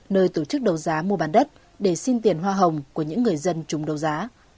nơi tổ chức đấu giá mua bán đất để xin tiền hoa hồng của những người dân chung đấu giá